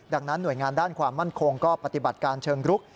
ดังนั้นหน่วยงานด้านความมั่นคงก็ปฏิบัติการเชิงรุก